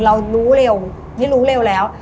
เรารู้เร็วนี่รู้เร็วแล้ว